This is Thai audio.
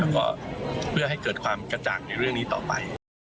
แล้วก็เพื่อให้เกิดความกระจ่างในเรื่องนี้ต่อไป